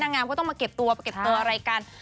นางงามก็ต้องมาเก็บตัวอะไรกัน